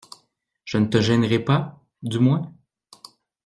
Je ne te gênerai pas, du moins?